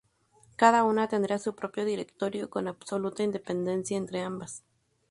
Cada una tendría su propio directorio, con absoluta independencia entre ambas.